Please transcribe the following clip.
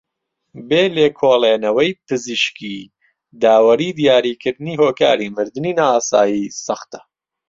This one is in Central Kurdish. بێ لێکۆڵێنەوەی پزیشکی داوەریی دیاریکردنی هۆکاری مردنی نائاسایی سەختە